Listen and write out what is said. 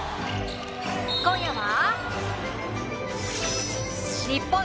今夜は。